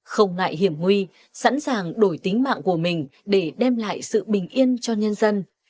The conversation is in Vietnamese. không ngại hiểm nguy sẵn sàng đổi tính mạng của mình để đem lại sự bình yên cho nhân dân